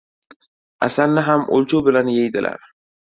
• Asalni ham o‘lchov bilan yeydilar.